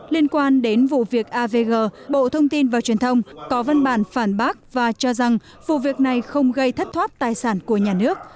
liên quan đến vụ việc avg bộ thông tin và truyền thông có văn bản phản bác và cho rằng vụ việc này không gây thất thoát tài sản của nhà nước